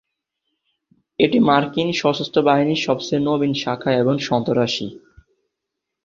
এটি মার্কিন সশস্ত্র বাহিনীর সবচেয়ে নবীন শাখা।